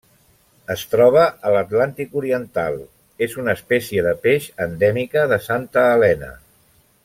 Es troba a l'Atlàntic oriental: és una espècie de peix endèmica de Santa Helena.